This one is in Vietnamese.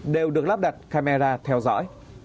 đều được lắp đặt camera theo dõi